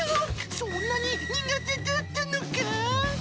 そんなに苦手だったのか？